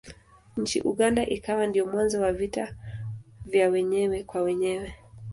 Nchini Uganda ikawa ndiyo mwanzo wa vita vya wenyewe kwa wenyewe.